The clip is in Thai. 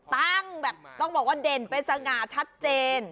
ตั้งแบบต้องบอกว่าเด่นเป็นสง่าชัดเจน